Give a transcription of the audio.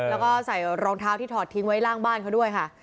แล้วก็ใส่รองเท้าที่ถอดทิ้งไว้ล่างบ้านเขาด้วยค่ะ